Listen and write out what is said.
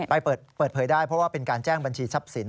เปิดเผยได้เพราะว่าเป็นการแจ้งบัญชีทรัพย์สิน